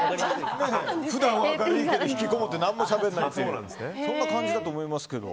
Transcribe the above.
普段は明るいけどひきこもってて何もしゃべらないというそんな感じだと思いますけど。